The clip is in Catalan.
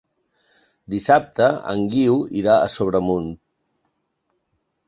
Dissabte en Guiu irà a Sobremunt.